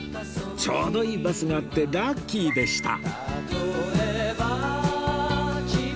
ちょうどいいバスがあってラッキーでした